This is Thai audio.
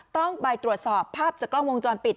ต้องไปตรวจสอบภาพจากกล้องวงจรปิด